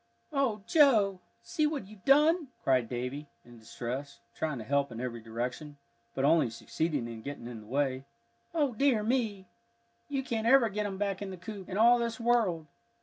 "Oh, Joe! see what you've done," cried Davie, in distress, trying to help in every direction, but only succeeding in getting in the way. "O dear me! You can't ever get 'em back in the coop, in all this world."